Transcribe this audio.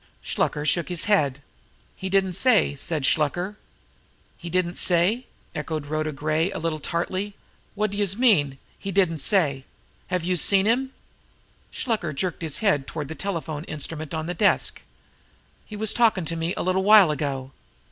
Shluker shook his head. "He didn't say," said Shluker. "He didn't say?" echoed Rhoda Gray, a little tartly. "Wot d'youse mean, he didn't say? Have youse seen him?" Shluker jerked his hand toward the telephone instrument on the desk. "He was talkin' to me a little while ago."